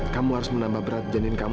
kamu harus menambah berat janin kamu